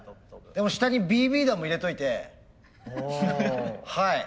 でも下にＢＢ弾も入れといてはい。